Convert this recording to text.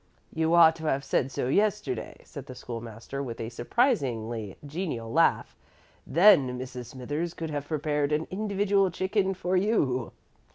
"You ought to have said so yesterday," said the School master, with a surprisingly genial laugh. "Then Mrs. Smithers could have prepared an individual chicken for you."